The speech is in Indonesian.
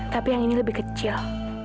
tapi yang ini lebih kecil